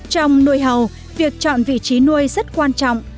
trong nuôi hầu việc chọn vị trí nuôi rất quan trọng